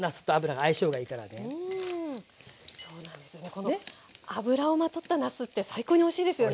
この油をまとったなすって最高においしいですよね。